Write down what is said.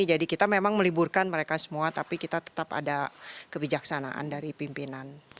jadi kita memang meliburkan mereka semua tapi kita tetap ada kebijaksanaan dari pimpinan